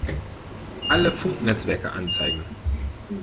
Alle Funknetzwerke anzeigen!